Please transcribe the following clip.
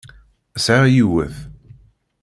Sɛiɣ yiwet.